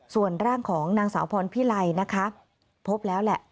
ส่วนร่างของนางสาวพรพิไลนะคะพบแล้วแหละ